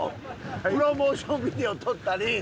プロモーションビデオ撮ったり。